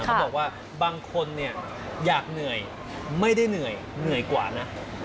เขาบอกว่าบางคนเนี่ยอยากเหนื่อยไม่ได้เหนื่อยเหนื่อยกว่านะ